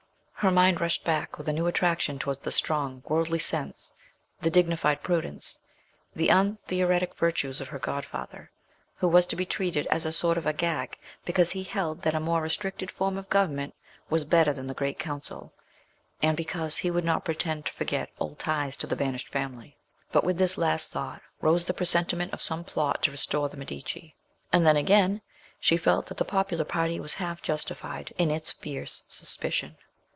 Her mind rushed back with a new attraction towards the strong worldly sense, the dignified prudence, the untheoretic virtues of her godfather, who was to be treated as a sort of Agag because he held that a more restricted form of government was better than the Great Council, and because he would not pretend to forget old ties to the banished family. But with this last thought rose the presentiment of some plot to restore the Medici; and then again she felt that the popular party was half justified in its fierce suspicion.